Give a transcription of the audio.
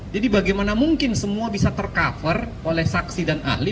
bagaimana mungkin semua bisa tercover oleh saksi dan ahli